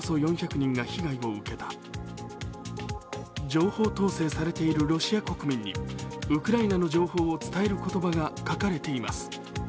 情報統制されているロシア国民にウクライナの情報を伝える言葉が書かれています。